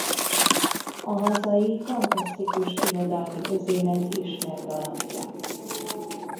A hazai fantasztikus irodalmi közélet ismert alakja.